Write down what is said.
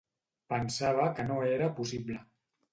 Pensava que no era possible.